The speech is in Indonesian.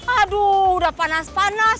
aduh udah panas panas